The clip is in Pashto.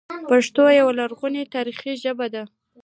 پښتو یوه لرغونې تاریخي ژبه ده